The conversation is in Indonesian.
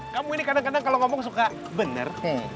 kamu ini kadang kadang kalau ngomong suka benar